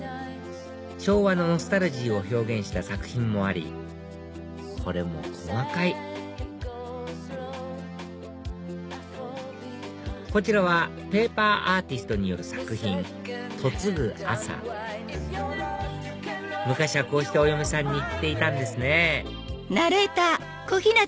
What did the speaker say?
昭和のノスタルジーを表現した作品もありこれも細かいこちらはペーパーアーティストによる作品『嫁ぐ朝』昔はこうしてお嫁さんに行っていたんですね